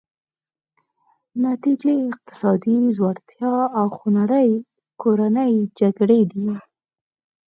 نتیجه یې اقتصادي ځوړتیا او خونړۍ کورنۍ جګړې دي.